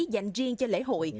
dành riêng cho lễ hội